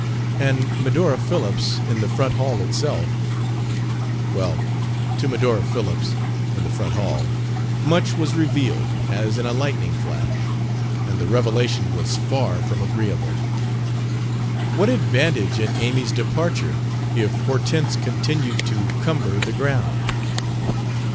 And Medora Phillips, in the front hall itself Well, to Medora Phillips, in the front hall, much was revealed as in a lightning flash, and the revelation was far from agreeable. What advantage in Amy's departure if Hortense continued to cumber the ground?